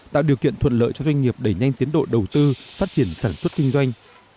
tạo điều kiện thuận lợi cho doanh nghiệp đẩy nhanh tiến độ đầu tư phát triển sản xuất kinh doanh